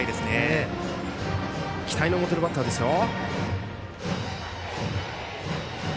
期待の持てるバッターですよ。